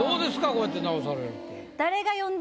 こうやって直されると。